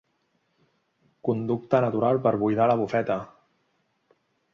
Conducte natural per buidar la bufeta.